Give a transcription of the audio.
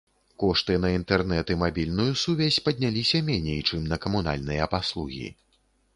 Кошты на інтэрнэт і мабільную сувязь падняліся меней, чым на камунальныя паслугі.